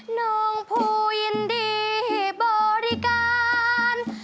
น้องภูยินดีบริการ